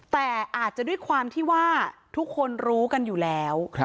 แต่อาจจะด้วยความที่ว่าทุกคนรู้กันอยู่แล้ว